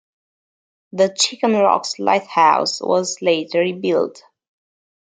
The Chicken Rocks lighthouse was later rebuilt.